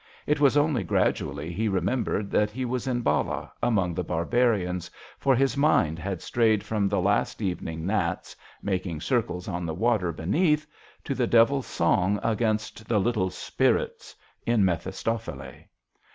It was only gradually he remembered that he was in Ballah among the barbarians, for his mind had strayed from the last evening gnats, making circles on the water beneath, to the devil's song against " the little spirits" in " Mefistofele."